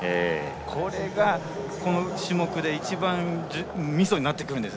これがこの種目で一番ミソになってくるんです。